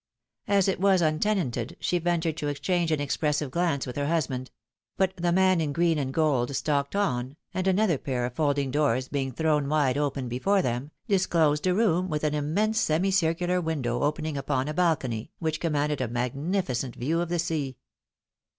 As it was untenanted, she ventured to exchange an expressive glance with her husband : but the man in green and gold stalked on, and another pair of folding doors being thrown wide open before them, disclosed a room with an immense semicir cular window opening upon a balcony, which commanded a magnificent view of the sea.